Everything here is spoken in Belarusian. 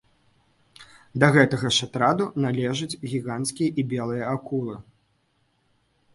Да гэтага ж атраду належаць гіганцкія і белыя акулы.